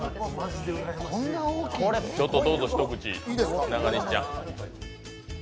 ちょっとどうぞ一口、中西ちゃん。